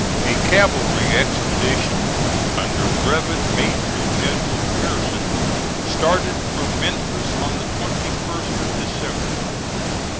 A cavalry expedition, under Brevet Major General Grierson, started from Memphis on the 21st of December.